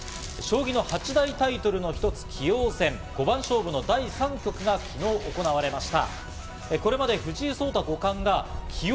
将棋の８大タイトルの一つ、棋王戦五番勝負の第３局が昨日行われました。